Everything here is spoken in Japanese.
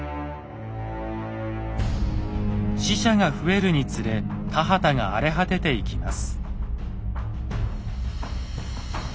死者が増えるにつれ田畑が荒れ果てていきます。